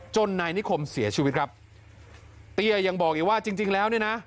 นายนิคมเสียชีวิตครับเตี้ยยังบอกอีกว่าจริงจริงแล้วเนี่ยนะ